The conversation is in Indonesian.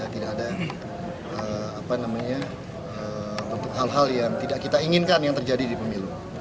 tidak ada hal hal yang tidak kita inginkan yang terjadi di pemilu